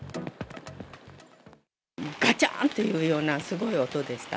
がちゃーんというようなすごい音でした。